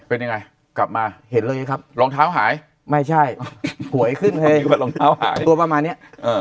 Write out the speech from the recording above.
เป็นยังไงกลับมาเห็นเลยนะครับรองเท้าหายไม่ใช่หวยขึ้นตัวประมาณนี้